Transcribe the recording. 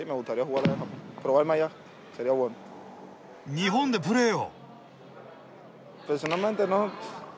日本でプレーを！？